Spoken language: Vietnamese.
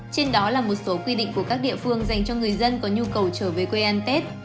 trên đó là một số quy định của các địa phương dành cho người dân có nhu cầu trở về quê ăn tết